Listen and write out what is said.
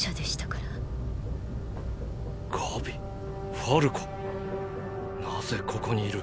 ガビファルコなぜここにいる？